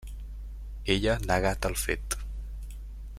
Ella negà tal fet.